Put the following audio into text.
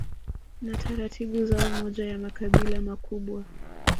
na taratibu zao Moja ya makabila makubwa